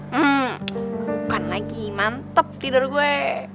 hmm bukan lagi mantep tidur gue